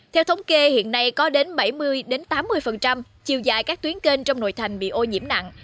theo thống kê hiện nay có đến bảy mươi tám mươi chiều dài các tuyến kênh trong nội thành bị ô nhiễm nặng